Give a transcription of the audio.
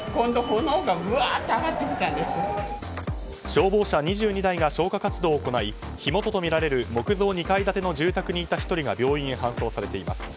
消防車２２台が消火活動を行い火元とみられる木造２階建ての住宅にいた１人が病院へ搬送されています。